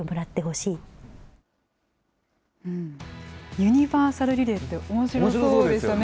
ユニバーサルリレーっておもしろそうでしたね。